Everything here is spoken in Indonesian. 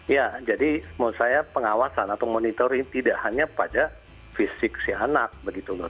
ya jadi menurut saya pengawasan atau monitoring tidak hanya pada fisik si anak begitu loh